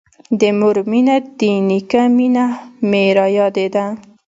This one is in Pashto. د مور مينه د نيکه مينه مې رايادېده.